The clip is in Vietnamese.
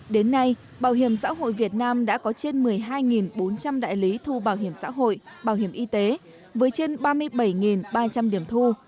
đến nay bảo hiểm xã hội việt nam đã có trên một mươi hai bốn trăm linh đại lý thu bảo hiểm xã hội bảo hiểm y tế với trên ba mươi bảy ba trăm linh điểm thu